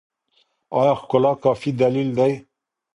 ایا ښکلا کافي دلیل دی؟